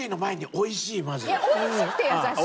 おいしくて優しい？